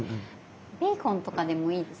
ベーコンとかでもいいですか？